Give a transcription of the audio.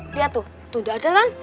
liat tuh tuh gak ada kan